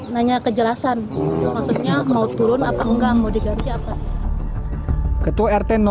nanya kejelasan maksudnya mau turun atau enggak mau diganti apa